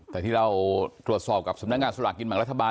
แต่ที่เราตรวจสอบกับสำนักงานสลากกินแบ่งรัฐบาล